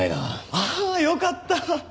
ああよかった。